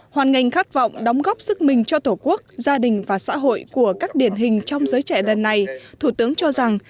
hoàn ngành khát vọng đóng góp sức mình cho tổ quốc gia đình và xã hội của các điển hình trong giới trẻ lần này thủ tướng cho rằng